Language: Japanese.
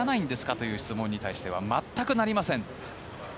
という質問に対しては全くなりません。